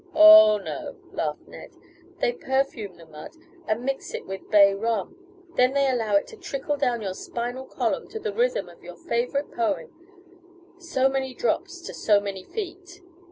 "Oh, no," laughed Ned. "They perfume the mud and mix it with bay rum. Then they allow it to trickle down your spinal column to the rhythm of your favorite poem so many drops to so many feet."